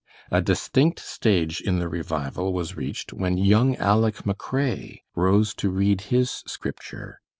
A distinct stage in the revival was reached when young Aleck McRae rose to read his Scripture.